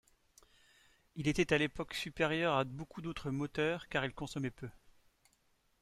Il était, à l'époque, supérieur à beaucoup d'autres moteurs car il consommait peu.